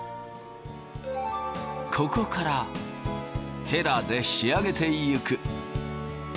ここからヘラで仕上げていく。